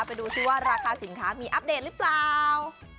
ไปดูซิว่าราคาสินค้ามีอัปเดตหรือเปล่า